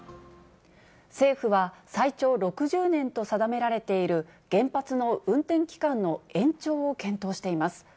政府は最長６０年と定められている原発の運転期間の延長を検討しています。